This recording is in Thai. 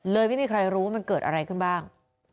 ไม่มีใครรู้ว่ามันเกิดอะไรขึ้นบ้าง